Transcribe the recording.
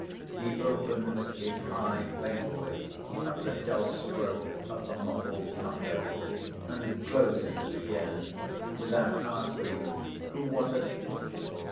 He opens his eye faintly at the dull stroke of the muffled knocker, and closes it again without asking "who was it?"